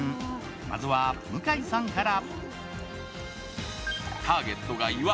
まずは向井さんから。